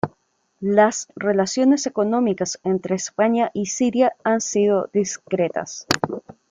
Las relaciones económicas entre España y Siria han sido discretas.